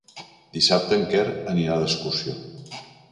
Dissabte en Quer anirà d'excursió.